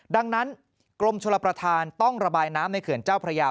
ดังนั้นกรมชลประธานต้องระบายน้ำในเขื่อนเจ้าพระยา